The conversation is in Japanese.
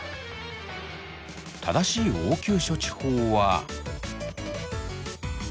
正しい応急処置法は。